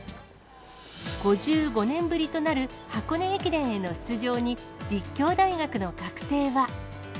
５５年ぶりとなる箱根駅伝への出場に、立教大学の学生は。